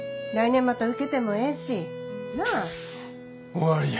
終わりや。